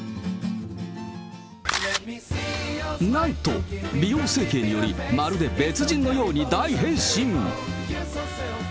なんと、美容整形によりまるで別人のように大変身。